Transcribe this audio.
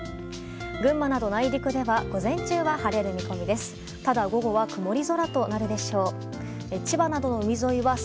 群馬など内陸では午前中は晴れる見込みです。